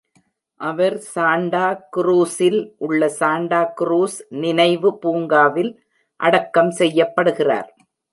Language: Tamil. அவர் சாண்டா குரூஸில் உள்ள சாண்டா குரூஸ் நினைவு பூங்காவில் அடக்கம் செய்யப்படுகிறார்.